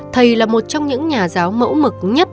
thầy là một trong những nhà giáo mẫu mực nhất